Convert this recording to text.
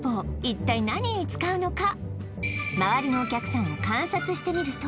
一体何に使うのか？